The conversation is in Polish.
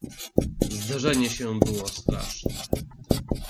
"Zderzenie się było straszne."